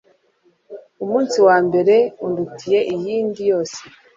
umunsi wambere undutiye iyindi yose